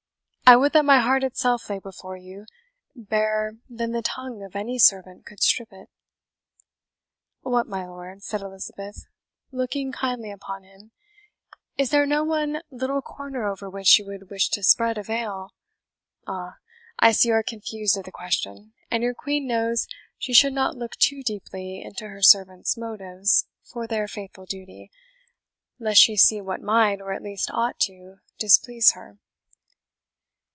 I would that my heart itself lay before you, barer than the tongue of any servant could strip it." "What, my lord," said Elizabeth, looking kindly upon him, "is there no one little corner over which you would wish to spread a veil? Ah! I see you are confused at the question, and your Queen knows she should not look too deeply into her servants' motives for their faithful duty, lest she see what might, or at least ought to, displease her."